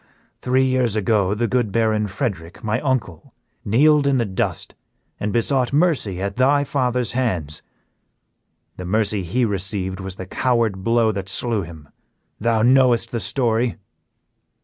Three years ago the good Baron Frederick, my uncle, kneeled in the dust and besought mercy at thy father's hands; the mercy he received was the coward blow that slew him. Thou knowest the story?"